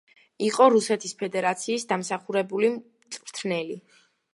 იყო რუსეთის ფედერაციის დამსახურებული მწვრთნელი.